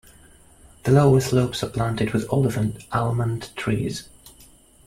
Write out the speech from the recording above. The lower slopes are planted with olive and almond trees.